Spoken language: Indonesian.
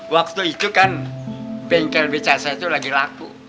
waktu itu kan bengkel beca saya itu lagi laku